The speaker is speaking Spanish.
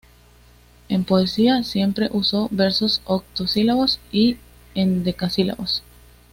En poesía siempre usó versos octosílabos y endecasílabos.